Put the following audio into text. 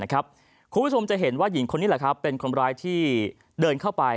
คุณผู้ชมจะเห็นว่าหญิงคนนี้แหละครับเป็นคนร้ายที่เดินเข้าไป